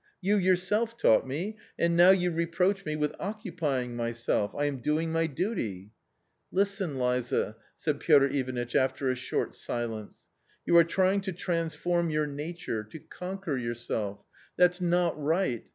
You yourself taught me .... and now you reproach me with occupying myself .... I am doing my duty !"" Listen, Liza !" said Piotr Ivanitch, after a short silence ;" you are trying to transform your nature, to conquer your self .... that's not right.